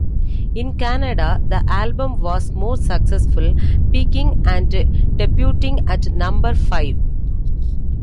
In Canada, the album was more successful, peaking and debuting at number five.